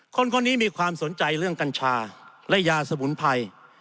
คนนี้มีความสนใจเรื่องกัญชาและยาสมุนไพร